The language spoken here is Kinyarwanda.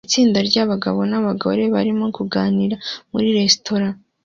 Itsinda ryabagabo nabagore barimo kuganira muri resitora